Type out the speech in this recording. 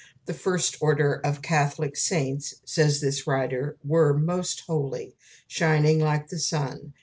"The First Order of Catholic saints" says this writer "were MOST HOLY: shining like the sun."